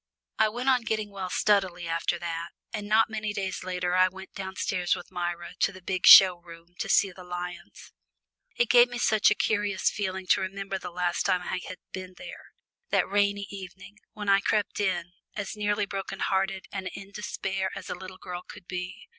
I went on getting well steadily after that, and not many days later I went downstairs with Myra to the big show room to see the lions. It gave me such a curious feeling to remember the last time I had been there, that rainy evening when I crept in, as nearly broken hearted and in despair as a little girl could be.